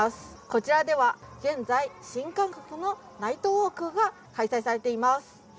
こちらでは現在、新感覚のナイトウオークが開催されています。